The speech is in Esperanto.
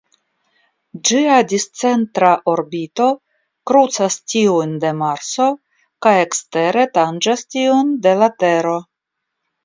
Ĝia discentra orbito krucas tiujn de Marso kaj ekstere tanĝas tiun de la Tero.